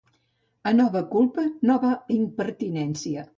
A nova culpa, nova impertinència.